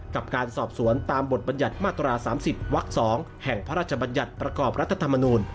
กับการสอบสวนตามบทบัญญัติมาตรา๓๐วัก๒แห่งพระราชบัญญัติประกอบรัฐธรรมนูล